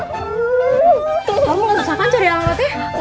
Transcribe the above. kamu gak susah kan cari alatnya